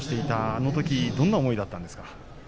あのときどんな思いだったんですか？